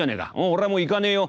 俺はもう行かねえよ」。